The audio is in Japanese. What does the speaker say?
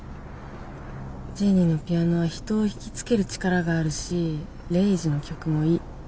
ジュニのピアノは人を惹きつける力があるしレイジの曲もいい。